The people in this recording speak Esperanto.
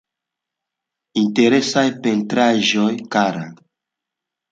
Interesaj pentraĵoj, kara.